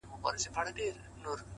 چي روږدي سوی له کوم وخته په گيلاس يمه ـ